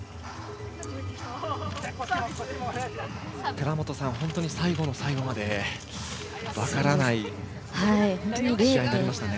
寺本さん、本当に最後の最後まで分からない試合になりましたね。